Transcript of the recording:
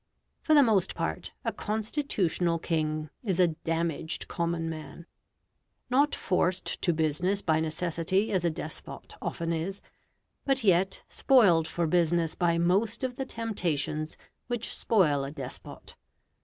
For the most part, a constitutional king is a DAMAGED common man; not forced to business by necessity as a despot often is, but yet spoiled for business by most of the temptations which spoil a despot.